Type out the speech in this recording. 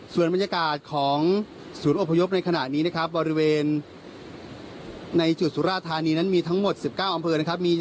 ส่วนบรรยากาศของศูนย์อพยพในขณะนี้นะครับบริเวณในจุดสุราธานีนั้นมีทั้งหมด๑๙อำเภอนะครับ